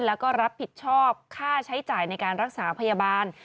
แล้วก็รับผิดชอบค่าใช้จ่ายในการรักษาพยาบาล